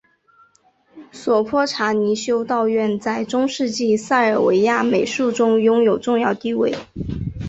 索泼查尼修道院在中世纪塞尔维亚美术中拥有重要地位。